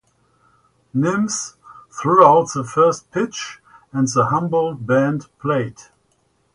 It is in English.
Nims threw out the first pitch and the Humboldt band played.